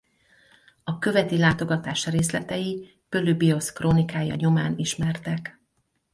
A követi látogatás részletei Polübiosz krónikája nyomán ismertek.